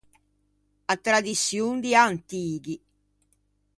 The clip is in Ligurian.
A tradiçion di antighi.